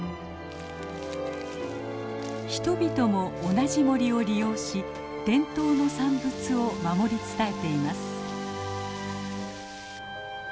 人々も同じ森を利用し伝統の産物を守り伝えています。